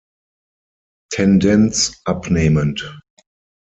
Tendenz abnehmend.